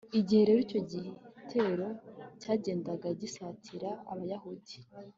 igihe rero icyo gitero cyagendaga gisatira abayahudi